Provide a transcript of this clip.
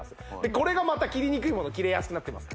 これがまた切りにくいもの切れやすくなってます